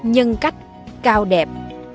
nhân cách cao đẹp